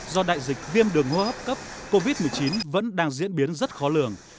do đại dịch viêm đường hô hấp cấp covid một mươi chín vẫn đang diễn biến rất khó lường